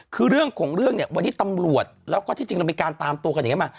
คือเรื่องของเรื่องเนี่ยวันนี้ตำรวจแล้วก็ที่จริงเรามีการตามตัวกันอย่างนี้มา